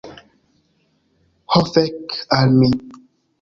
Ho fek' al mi